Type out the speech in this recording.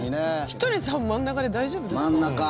ひとりさん真ん中で大丈夫ですか？